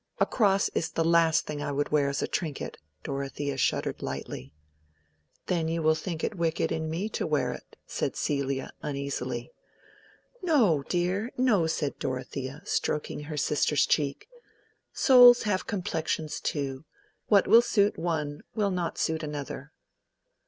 A cross is the last thing I would wear as a trinket." Dorothea shuddered slightly. "Then you will think it wicked in me to wear it," said Celia, uneasily. "No, dear, no," said Dorothea, stroking her sister's cheek. "Souls have complexions too: what will suit one will not suit another."